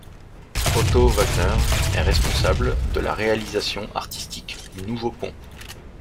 Otto Wagner est responsable de la réalisation artistique du nouveau pont.